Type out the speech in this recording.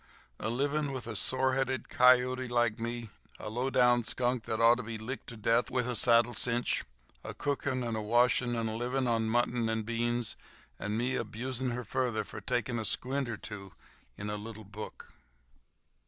"A livin' with a sore headed kiote like me—a low down skunk that ought to be licked to death with a saddle cinch—a cookin' and a washin' and a livin' on mutton and beans and me abusin' her fur takin' a squint or two in a little book!"